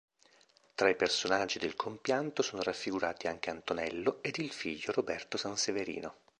Tra i personaggi del compianto sono raffigurati anche Antonello ed il figlio Roberto Sanseverino.